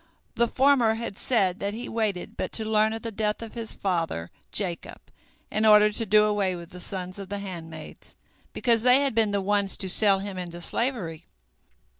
The former had said that he waited but to learn of the death of his father Jacob in order to do away with the sons of the handmaids, because they had been the ones to sell him into slavery.